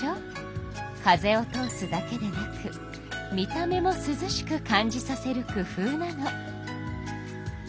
風を通すだけでなく見た目もすずしく感じさせる工夫なの。